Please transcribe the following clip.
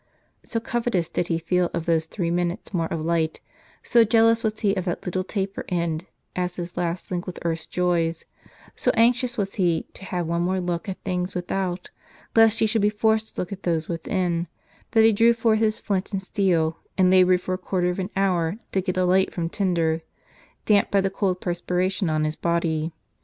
So covetous did he feel of those three minutes more of light, so jealous was he of that little taper end, as his last link with earth's joys, so anxious was he to have one more look at things without, lest he should be forced to look at those within, that he drew forth his flint and steel, and labored for a quarter of an hour to get a light from tinder, damped by the cold perspiration on his body.